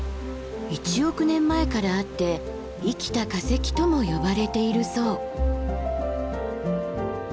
１億年前からあって生きた化石とも呼ばれているそう。